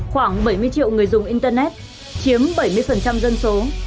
khoảng bảy mươi triệu người dùng internet chiếm bảy mươi dân số